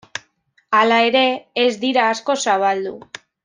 Hala ere, ez dira asko zabaldu.